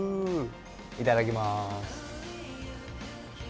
いただきます。